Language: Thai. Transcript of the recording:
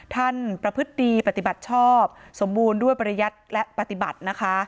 ประพฤติดีปฏิบัติชอบสมบูรณ์ด้วยปริยัติและปฏิบัตินะคะ